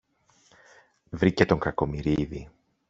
Βρήκε τον Κακομοιρίδη